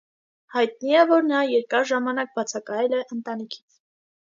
Հայտնի է, որ նա երկար ժամանակ բացակայել է ընտանիքից։